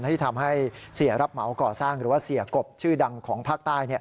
ที่ทำให้เสียรับเหมาก่อสร้างหรือว่าเสียกบชื่อดังของภาคใต้